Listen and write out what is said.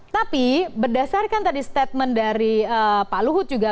tapi berdasarkan tadi statement dari pak luhut juga